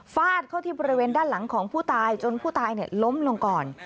ฟาดเข้าที่บริเวณด้านหลังของผู้ตายจนผู้ตายล้มลงก่อน